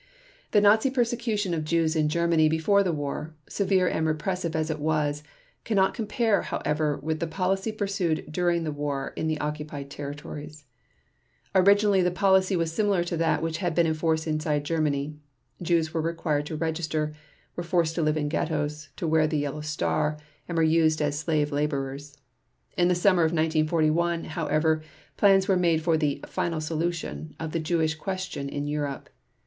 The Nazi persecution of Jews in Germany before the war, severe and repressive as it was, cannot compare, however, with the policy pursued during the war in the occupied territories. Originally the policy was similar to that which had been in force inside Germany. Jews were required to register, were forced to live in ghettos, to wear the yellow star, and were used as slave laborers. In the summer of 1941, however, plans were made for the "final solution" of the Jewish question in Europe.